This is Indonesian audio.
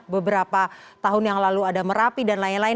beberapa tahun yang lalu ada merapi dan lain lain